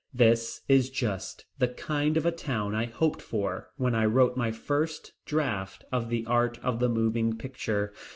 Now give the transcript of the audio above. This is just the kind of a town I hoped for when I wrote my first draft of The Art of the Moving Picture.